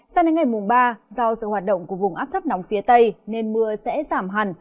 sao đến ngày mùng ba do sự hoạt động của vùng áp thấp nóng phía tây nên mưa sẽ giảm hẳn